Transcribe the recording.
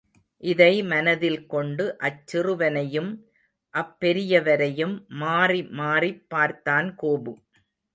இதை மனத்தில் கொண்டு, அச்சிறுவனையும் அப்பெரியவரையும் மாறி மாறிப் பார்த்தான் கோபு.